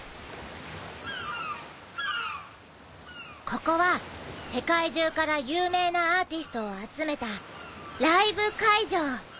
ここは世界中から有名なアーティストを集めたライブ会場。